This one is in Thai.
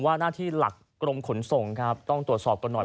หน้าที่หลักกรมขนส่งครับต้องตรวจสอบกันหน่อย